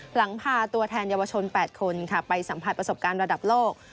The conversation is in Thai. หลังพาตัวแทนเยาวชน๘คนค่ะไปสัมผัสประสบการณ์ระดับโลก